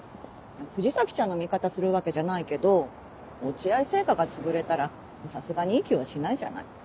藤崎ちゃんの味方するわけじゃないけど落合製菓がつぶれたらさすがにいい気はしないじゃない。